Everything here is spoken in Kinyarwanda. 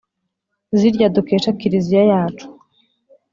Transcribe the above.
zirya dukesha kiliziya yacu